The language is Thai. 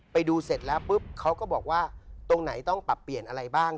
ไปดูเสร็จแล้วปุ๊บเขาก็บอกว่าตรงไหนต้องปรับเปลี่ยนอะไรบ้าง